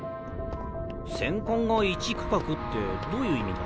戦艦が一区画ってどういう意味だ？